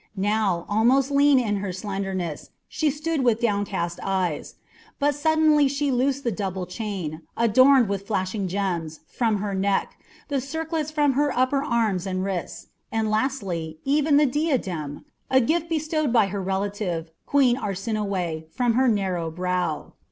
Now, almost lean in her slenderness, she stood with downcast eyes; but suddenly she loosed the double chain, adorned with flashing gems, from her neck, the circlets from her upper arms and wrists, and, lastly, even the diadem, a gift bestowed by her relative, Queen Arsinoe, from her narrow brow.